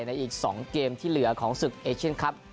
ในอีกสองเกมที่เหลือของสึกครับ